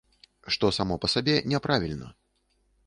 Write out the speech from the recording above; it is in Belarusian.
Што само па сабе не правільна.